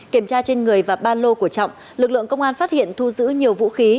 kiểm tra trên người và ba lô của trọng lực lượng công an phát hiện thu giữ nhiều vũ khí